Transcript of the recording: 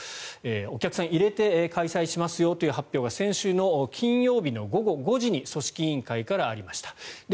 お客さんを入れて開催しますよという発表が先週の金曜日の午後５時に組織委員会からありました。